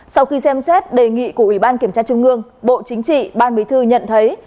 sau khi xem xét đề nghị của ubnd bộ chính trị ban bí thư nhận thấy